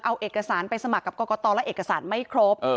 เอาเอกสารไปสมัครกับกรกตและเอกสารไม่ครบ